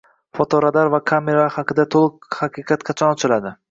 Fotoradar va kameralar haqidagi to‘liq haqiqat qachon ochiladi?